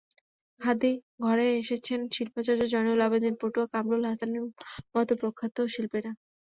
খাদি ঘরে এসেছেন শিল্পাচার্য জয়নুল আবেদিন, পটুয়া কামরুল হাসানের মতো প্রখ্যাত শিল্পীরা।